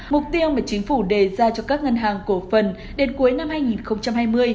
mục tiêu mà chính phủ đề ra cho các ngân hàng cổ phần đến cuối năm hai nghìn hai mươi